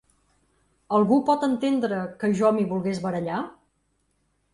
Algú pot entendre que jo m’hi volgués barallar?